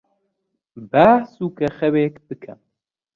با سووکەخەوێک بکەم.